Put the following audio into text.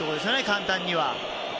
簡単には。